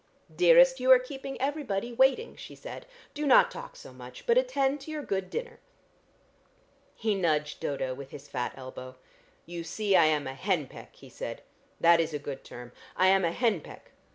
"Dearest, you are keeping everybody waiting," she said. "Do not talk so much, but attend to your good dinner." He nudged Dodo with his fat elbow. "You see, I am a hen peck," he said. "That is a good term. I am a hen peck.